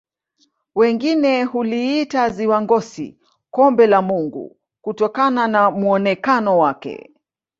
wengine huliita ziwa ngosi kombe la mungu kutokana na muonekano wake